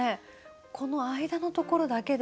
この間のところだけで。